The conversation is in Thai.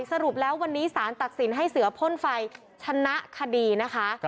สรุปแล้ววันนี้สารตัดสินให้เสือพ่นไฟชนะคดีนะคะ